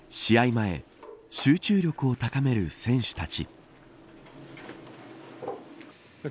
前集中力を高める選手たち。